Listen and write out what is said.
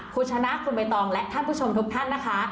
คุณชนะคุณใบตองและท่านผู้ชมทุกท่านนะคะ